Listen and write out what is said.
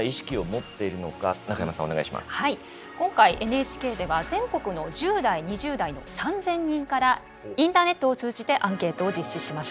今回ＮＨＫでは全国の１０代２０代の３，０００人からインターネットを通じてアンケートを実施しました。